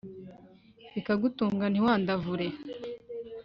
bikagutunga ntiwandavure